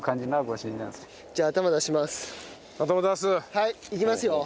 はいいきますよ。